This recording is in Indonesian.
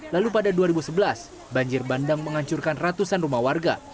lalu pada dua ribu sebelas banjir bandang menghancurkan ratusan rumah warga